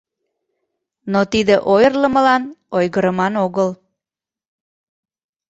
— Но тиде ойырлымылан ойгырыман огыл.